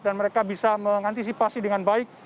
dan mereka bisa mengantisipasi dengan baik